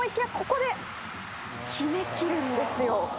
ここで決めきるんですよ。